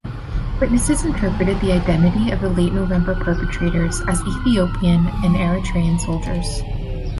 Witnesses interpreted the identity of the late November perpetrators as Ethiopian and Eritrean soldiers.